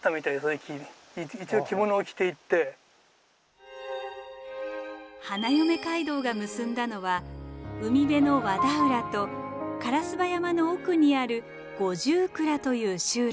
えでも衣装は花嫁街道が結んだのは海辺の和田浦と烏場山の奥にある五十蔵という集落。